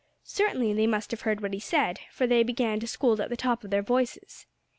Certainly they must have heard what he said, for they began to scold at the top of their voices.